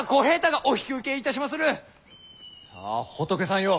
さあ仏さんよ